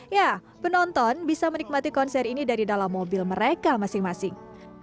ya penonton bisa menikmati konser ini dari dalam mobil mereka masing masing